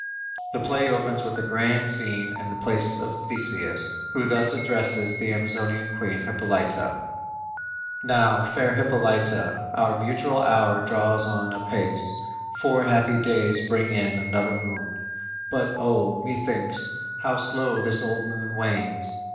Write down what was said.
The play opens with a grand scene in the palace of Theseus, who thus addresses the Amazonian Queen Hippolyta: _"Now, fair Hippolyta, our mutual hour Draws on apace, four happy days bring in, Another moon; but, O, methinks, how slow This old moon wanes!